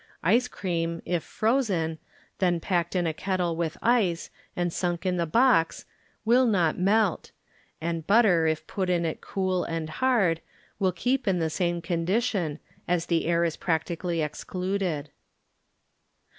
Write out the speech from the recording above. Ice cream, if frozen, then packed in a kettle with ice and sunk in the box will not melt, and butter if put in it cool and hard will keep in the same condition, as the air is practically excluded.